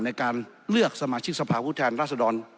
ในการเลือกสมาชิกสภาพุทธแทนราษฎร